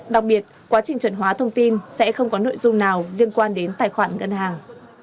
đặc biệt quá trình chuẩn hóa thông tin sẽ không có nội dung nào liên quan đến tài khoản ngân hàng